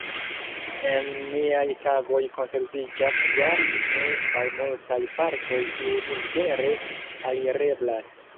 En niaj tagoj konserviĝas ja ne malmultaj partoj kiuj libere alireblas.